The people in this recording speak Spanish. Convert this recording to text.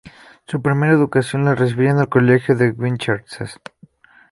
Su primera educación la recibió en el Colegio de Winchester.